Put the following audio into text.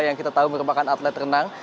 yang kita tahu merupakan atlet renang